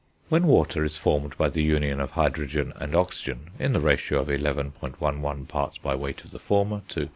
When water is formed by the union of hydrogen and oxygen, in the ratio of 11.11 parts by weight of the former to 88.